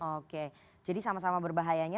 oke jadi sama sama berbahayanya